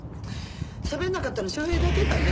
しゃべんなかったの昌平だけだね。